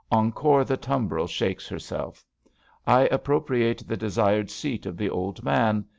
Encore the tumbril shakes herself. I appropriate the desired seat of the old man.